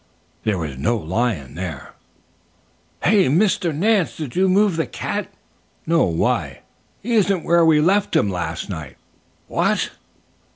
There was no lion there. "Hey, Mr. Nance, did you move the cat?" "No. Why?" "He isn't where we left him last night." "What?"